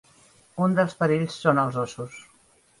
Un dels perills són els ossos.